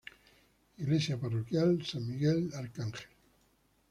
Iglesia parroquial San Miguel Arcángel.